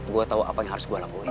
gue tahu apa yang harus gue lakuin